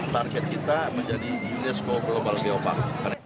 target kita menjadi unesco global ceopark